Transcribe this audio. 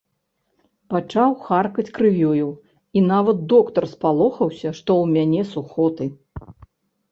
Пачаў харкаць крывёю, і нават доктар спалохаўся, што ў мяне сухоты.